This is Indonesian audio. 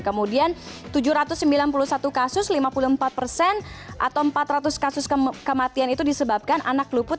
kemudian tujuh ratus sembilan puluh satu kasus lima puluh empat persen atau empat ratus kasus kematian itu disebabkan anak luput